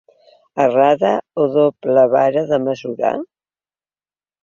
Errada o doble vara de mesurar?